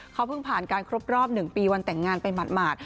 เขาเพิ่งผ่านการครบรอบ๑ปีวันแต่งงานไปหมาด